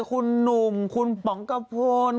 คุณหนุ่มคุณป๋องกระพล